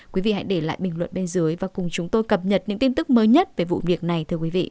quý vị hãy để lại bình luận bên dưới và cùng chúng tôi cập nhật những tin tức mới nhất về vụ việc này